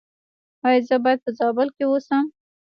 ایا زه باید په زابل کې اوسم؟